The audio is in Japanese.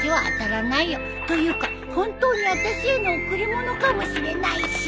というか本当にあたしへの贈り物かもしれないし